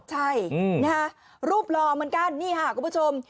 ใช่นะฮะรูปหล่อเหมือนกันนี่ค่ะคุณผู้ชม